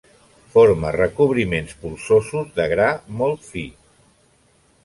Forma recobriments polsosos de gra molt fi.